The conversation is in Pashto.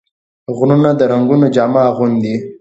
غرونه د رنګونو جامه اغوندي